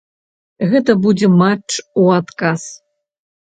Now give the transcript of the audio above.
Гэта будзе матч у адказ.